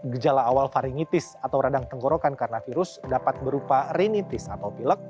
gejala awal varingitis atau radang tenggorokan karena virus dapat berupa rinitis atau pilek